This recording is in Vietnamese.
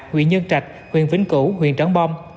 huyện nhân trạch huyện vĩnh cửu huyện trấn bom